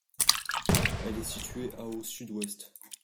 Elle est située à au sud-ouest.